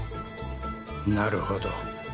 なるほど。